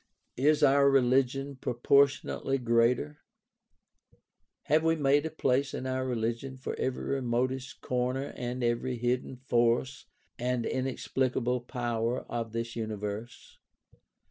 Is our religion proportionately greater ? Have we made a place in our religion for every remotest corner and every hidden force and inexplicable power of this universe